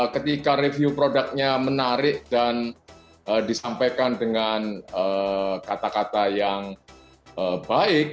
ketika review produknya menarik dan disampaikan dengan kata kata yang baik